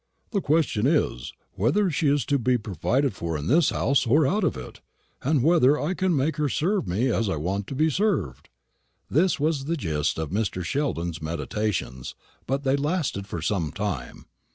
The question is, whether she is to be provided for in this house or out of it; and whether I can make her serve me as I want to be served?" This was the gist of Mr. Sheldon's meditations; but they lasted for some time.